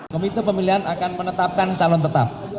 komite pemilihan akan menetapkan calon tetap